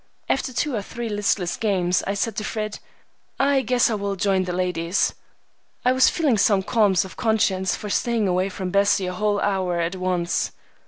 After two or three listless games I said to Fred, "I guess I will join the ladies." I was feeling some qualms of conscience for staying away from Bessie a whole hour at once.